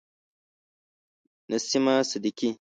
نسیمه صدیقی